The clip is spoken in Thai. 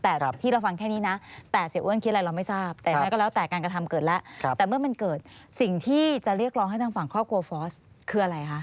แต่ที่เราฟังแค่นี้นะแต่เสียอ้วนคิดอะไรเราไม่ทราบแต่ยังไงก็แล้วแต่การกระทำเกิดแล้วแต่เมื่อมันเกิดสิ่งที่จะเรียกร้องให้ทางฝั่งครอบครัวฟอสคืออะไรคะ